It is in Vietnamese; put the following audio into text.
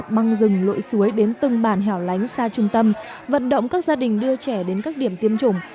băng rừng lội suối đến từng bản hẻo lánh xa trung tâm vận động các gia đình đưa trẻ đến các điểm tiêm chủng